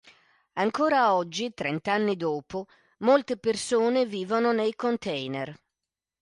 Ancora oggi trent'anni dopo molte persone vivono nei container.